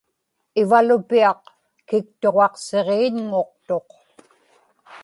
ivalupiaq kiktuġaqsiġiiñŋuqtuq